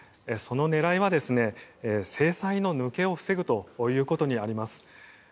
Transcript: その狙いは制裁の抜けを防ぐということにあります。